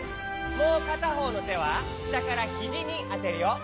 もうかたほうのてはしたからひじにあてるよ。